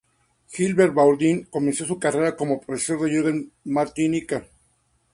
Gilbert Bourdin comenzó su carrera como profesor de yoga en Martinica.